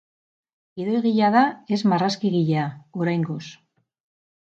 Gidoigilea da ez marrazkigilea, oraingoz.